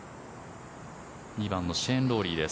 ２番のシェーン・ロウリーです。